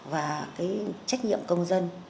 và trách nhiệm công dân